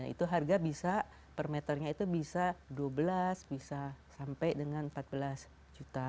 itu harga bisa per meternya itu bisa dua belas bisa sampai dengan empat belas juta